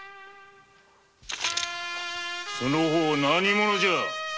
その方何者じゃ！？